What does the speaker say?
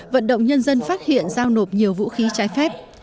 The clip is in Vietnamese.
vận động nhân dân phát hiện giao nộp nhiều vũ khí trái phép